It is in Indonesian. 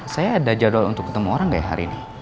saya ada jadwal untuk ketemu orang gak ya hari ini